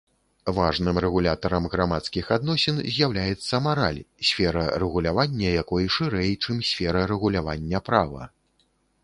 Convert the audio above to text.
Важным рэгулятарам грамадскіх адносін з'яўляецца мараль, сфера рэгулявання якой шырэй, чым сфера рэгулявання права.